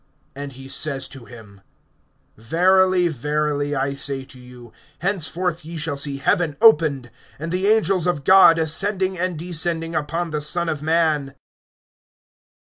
(51)And he says to him: Verily, verily, I say to you, henceforth[1:51] ye shall see heaven opened, and the angels of God ascending and descending upon the Son of man.